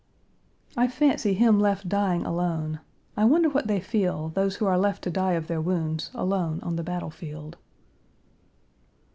I fancy him left dying alone! I wonder what they feel those who are left to die of their wounds alone on the battle field.